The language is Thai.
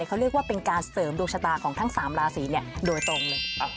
เขาเรียกว่าเป็นการเสริมดวงชะตาของทั้ง๓ราศีโดยตรงเลย